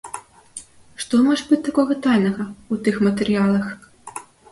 Што можа быць такога тайнага ў тых матэрыялах?